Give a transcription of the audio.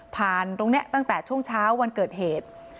ตรงนี้ตั้งแต่ช่วงเช้าวันเกิดเหตุ